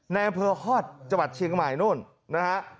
ในพื้นฮอตจังหวัดเชียงใหม่นู้นนะฮะ